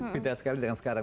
beda sekali dengan sekarang